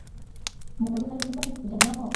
মজার ব্যাপার কী জানো?